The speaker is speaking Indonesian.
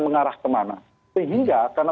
mengarah kemana sehingga karena